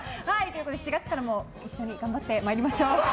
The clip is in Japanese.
４月からも一緒に頑張ってまいりましょう。